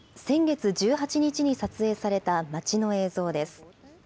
先月１８日に撮影された町の映像です。